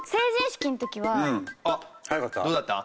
あっどうだった？